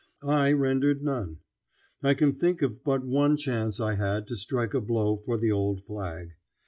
I rendered none. I can think of but one chance I had to strike a blow for the old flag.